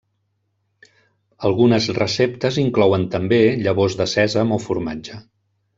Algunes receptes inclouen també llavors de sèsam o formatge.